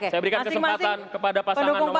saya berikan kesempatan kepada pasangan nomor satu